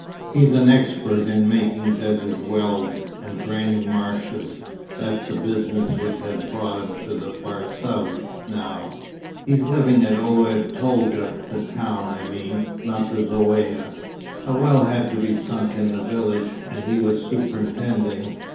He's an expert in making desert wells, and draining marshes. That's the business which has brought him to the far South, now. He's living at Oued Tolga the town, I mean; not the Zaouïa. A well had to be sunk in the village, and he was superintending.